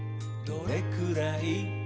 「どれくらい？